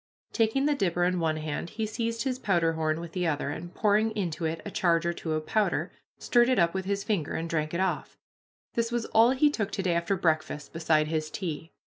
Taking the dipper in one hand, he seized his powderhorn with the other, and, pouring into it a charge or two of powder, stirred it up with his finger, and drank it off. This was all he took to day after breakfast beside his tea.